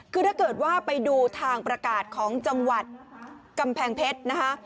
คือถ้าเกิดว่าไปดูทางประกาศของจังหวัดกำแพงเพชรนะคะ